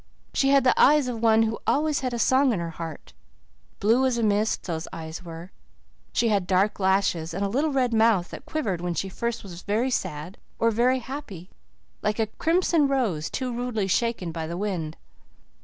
She had the eyes of one who always had a song in her heart blue as a mist, those eyes were. She had dark lashes, and a little red mouth that quivered when she was very sad or very happy like a crimson rose too rudely shaken by the wind.